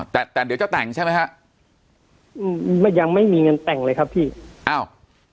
แต่แต่เดี๋ยวจะแต่งใช่ไหมฮะอืมไม่ยังไม่มีเงินแต่งเลยครับพี่อ้าว